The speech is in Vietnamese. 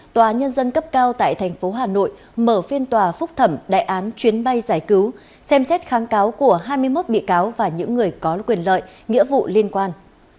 tòa nhân dân cấp cao tại thành phố hà nội mở phiên tòa phúc thẩm đại án chuyến bay giải cứu xem xét kháng cáo của hai mươi một bị cáo và những người có quyền lợi nghĩa vụ liên quan